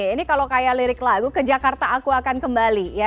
ini kalau kayak lirik lagu ke jakarta aku akan kembali ya